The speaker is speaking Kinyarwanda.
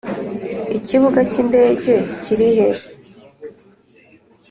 ikibuga cy'indege kiri he?